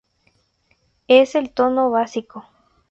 Es el tono básico.